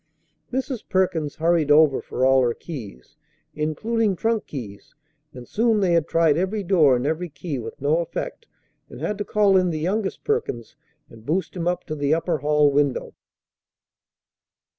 Mrs. Perkins hurried over for all her keys, including trunk keys; and soon they had tried every door and every key with no effect, and had to call in the youngest Perkins and boost him up to the upper hall window.